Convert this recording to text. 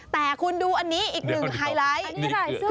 แต่คุณดูอันนี้อีกหนึ่งไฮไลท์